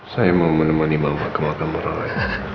saya mau menemani mama ke makam roy